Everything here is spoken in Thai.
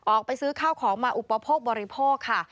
ออกไปซื้อข้าวของมาอุปโภคบริโภคค่ะ